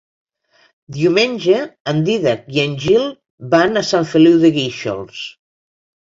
Diumenge en Dídac i en Gil van a Sant Feliu de Guíxols.